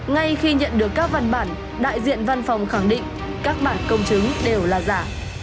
ngay khi nhận được các văn bản đại diện văn phòng khẳng định các bản công chứng đều là giả